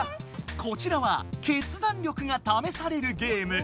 こちらは決断力がためされるゲーム。